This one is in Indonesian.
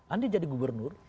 anda jadi gubernur